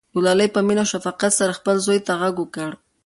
ګلالۍ په مینه او شفقت سره خپل زوی ته غږ وکړ.